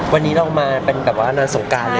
วันนี้ลองมาเป็นลงสงการเลยค่ะ